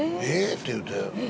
って言うて